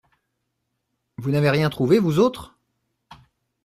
Vous n’avez rien trouvé, vous autres ?